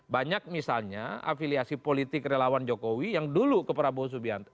banyak misalnya afiliasi politik relawan jokowi yang dulu ke prabowo subianto